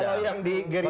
kalau yang di gerita